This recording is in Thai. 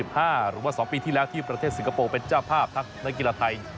หรือว่า๒ปีที่แล้วที่ประเทศสิงคโปร์เป็นเจ้าภาพทั้งนักกีฬาไทย